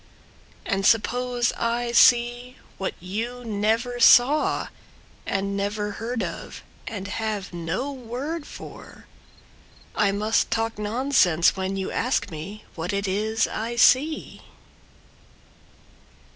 And suppose I see what you never saw And never heard of and have no word for, I must talk nonsense when you ask me What it is I see!